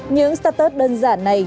những status đơn giản này